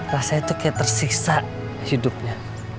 rasanya tuh kayak tersisa hidupnya